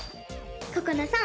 ここなさん